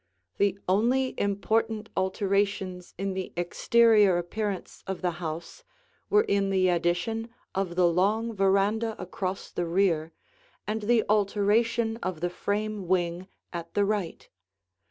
The only important alterations in the exterior appearance of the house were in the addition of the long veranda across the rear and the alteration of the frame wing at the right.